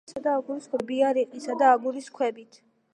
ის ნაგებია რიყისა და აგურის ქვებით.